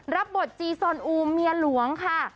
รับบทจีซอนอูเมียหลวงค่ะ